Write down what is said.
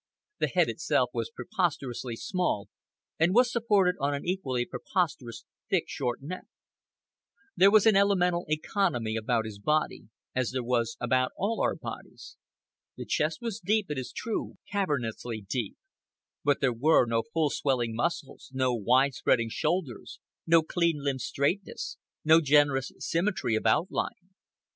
The head itself was preposterously small and was supported on an equally preposterous, thick, short neck. There was an elemental economy about his body—as was there about all our bodies. The chest was deep, it is true, cavernously deep; but there were no full swelling muscles, no wide spreading shoulders, no clean limbed straightness, no generous symmetry of outline.